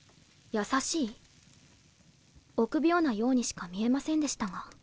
臆病なようにしか見えませんでしたが。